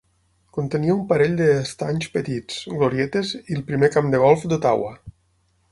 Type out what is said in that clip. Contenia un parell de estanys petits, glorietes i el primer camp de golf d'Ottawa.